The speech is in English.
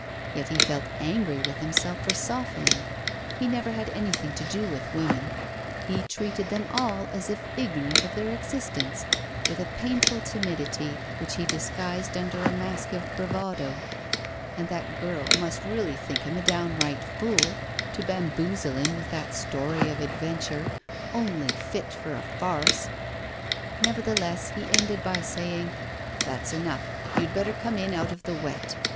Yet he felt angry with himself for softening. He never had anything to do with women; he treated them all as if ignorant of their existence, with a painful timidity which he disguised under a mask of bravado. And that girl must really think him a downright fool, to bamboozle him with that story of adventure only fit for a farce. Nevertheless, he ended by saying, 'That's enough. You had better come in out of the wet.